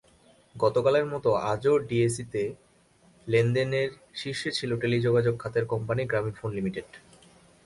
গতকালের মতো আজও ডিএসইতে লেনদেনে শীর্ষে ছিল টেলিযোগাযোগ খাতের কোম্পানি গ্রামীণফোন লিমিটেড।